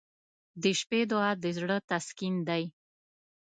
• د شپې دعا د زړه تسکین دی.